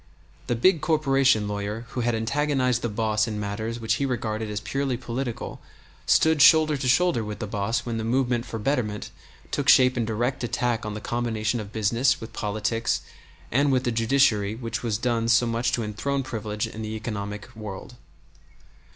The big corporation lawyer who had antagonized the boss in matters which he regarded as purely political stood shoulder to shoulder with the boss when the movement for betterment took shape in direct attack on the combination of business with politics and with the judiciary which has done so much to enthrone privilege in the economic world.